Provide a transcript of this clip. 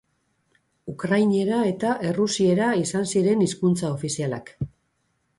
Ukrainera eta errusiera izan ziren hizkuntza ofizialak.